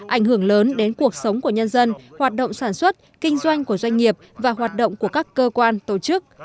ảnh hưởng lớn đến cuộc sống của nhân dân hoạt động sản xuất kinh doanh của doanh nghiệp và hoạt động của các cơ quan tổ chức